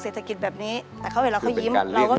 เศรษฐกิจแบบนี้แต่เขาเห็นเราเขายิ้มเราก็